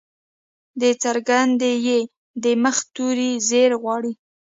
د څرګندي ي د مخه توری زير غواړي.